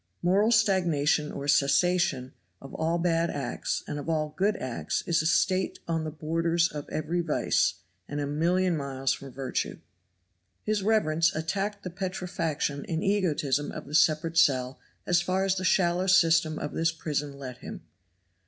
Moral stagnation or cessation of all bad acts and of all good acts is a state on the borders of every vice and a million miles from virtue." His reverence attacked the petrifaction and egotism of the separate cell as far as the shallow system of this prison let him.